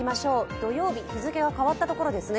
土曜日、日付が変わったところですね。